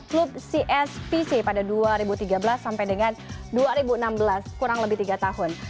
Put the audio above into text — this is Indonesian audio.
klub cspc pada dua ribu tiga belas sampai dengan dua ribu enam belas kurang lebih tiga tahun